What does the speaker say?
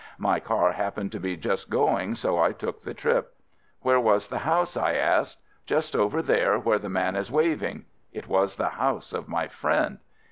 My car happened to be just going, so I took the trip. "Where was the house? " I asked. "Just over there where the man is waving." It was the house of my friend.